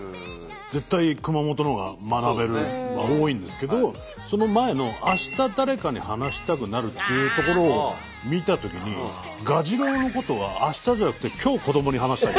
絶対熊本のほうが「学べる」は多いんですけどその前の「あした誰かに話したくなる」っていうところを見たときにガジロウのことは明日じゃなくて今日子どもに話したい。